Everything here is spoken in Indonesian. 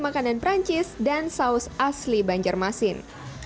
makanan perancis dan saus asli banjar masin